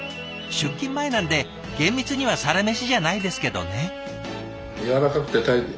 出勤前なんで厳密にはサラメシじゃないですけどね。